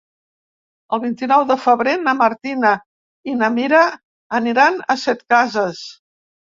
El vint-i-nou de febrer na Martina i na Mira aniran a Setcases.